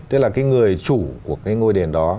tức là cái người chủ của cái ngôi đền đó